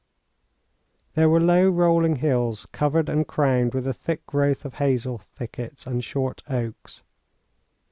There were low rolling hills, covered and crowned with a thick growth of hazel thickets and short oaks.